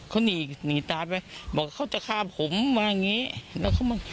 เขาหนีหนีตายไปบอกเขาจะฆ่าผมมาอย่างงี้แล้วเขามา